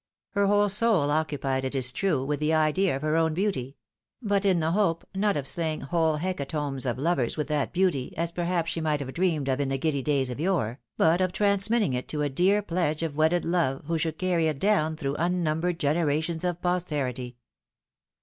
Her whole soul occupied, it is true, with the idea of her own beauty ; but in the hope, not of slaying whole hecatombs of lovers with that beauty, as perhaps she might have dreamed of in the giddy days of yore, but of transmitting it to a dear pledge of wedded love, who should carry it down through unnumbered generations of posterity!